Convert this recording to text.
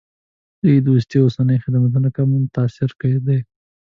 د دوی اوسني خدمتونه کم تاثیره دي.